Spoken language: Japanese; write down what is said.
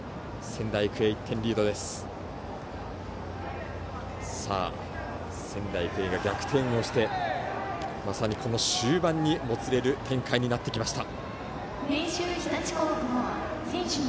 仙台育英は逆転をしてまさにこの終盤にもつれる展開になってきました。